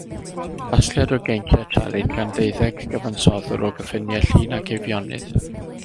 Casgliad o geinciau telyn gan ddeuddeg cyfansoddwr o gyffiniau Llŷn ac Eifionydd.